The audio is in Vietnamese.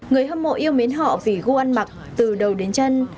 người hâm mộ yêu mến họ vì gu ăn mặc từ đầu đến chân